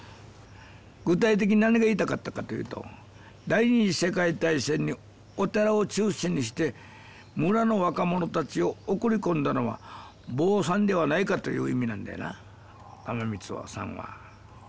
具体的に何が言いたかったかというと第２次世界大戦にお寺を中心にして村の若者たちを送り込んだのは坊さんではないかという意味なんだよな玉光さんは。